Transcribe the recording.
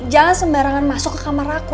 jangan sembarangan masuk ke kamar aku